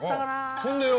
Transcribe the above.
そんでよ